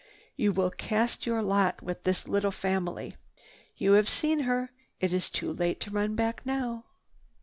You will cast your lot with this little family. You have seen her. It is too late to turn back now."